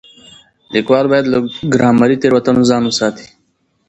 ليکوال بايد له ګرامري تېروتنو ځان وساتي.